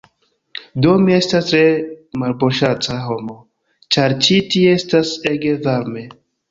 Do mi estas tre malbonŝanca homo, ĉar ĉi tie estas ege varme